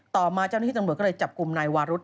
ต่อมาเจ้าหน้าที่ตำรวจก็เลยจับกลุ่มนายวารุธ